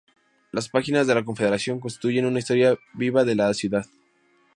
Las páginas de "La Confederación" constituyen una historia viva de la ciudad.